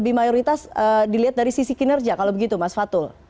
jadi mayoritas dilihat dari sisi kinerja kalau begitu mas fatul